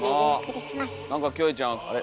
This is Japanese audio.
何かキョエちゃんあれ？